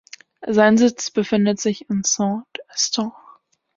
Sein Sitz befindet sich in Saint-Eustache.